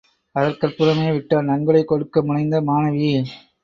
அதற்கப்புறமே விட்டாள், நன்கொடை கொடுக்க முனைந்த மாணவி.